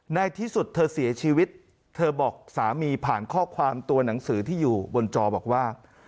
ในที่สุดเธอเสียชีวิตเธอบอกสามีผ่านข้อความตัวหนังสือที่อยู่บนจอบอกว่า